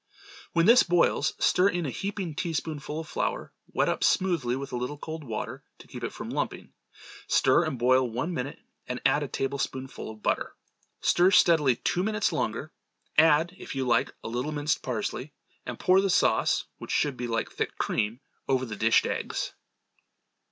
When this boils stir in a heaping teaspoonful of flour wet up smoothly with a little cold water to keep it from lumping. Stir and boil one minute and add a tablespoonful of butter. Stir steadily two minutes longer, add, if you like, a little minced parsley, and pour the sauce which should be like thick cream, over the dished eggs.